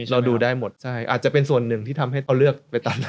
เราดูได้หมดใช่อาจจะเป็นส่วนหนึ่งที่ทำให้เขาเลือกไปตามนั้น